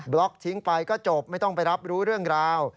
ล็อกทิ้งไปก็จบไม่ต้องไปรับรู้เรื่องราว